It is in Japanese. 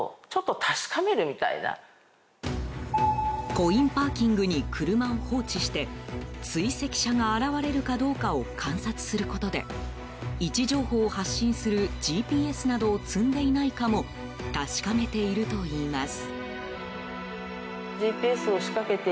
コインパーキングに車を放置して追跡者が現れるかどうかを観察することで位置情報を発信するＧＰＳなどを積んでいないかも確かめているといいます。